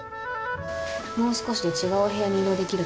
もう少しで違うお部屋に移動できるからね。